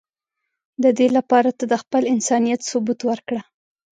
د دی لپاره ته د خپل انسانیت ثبوت ورکړه.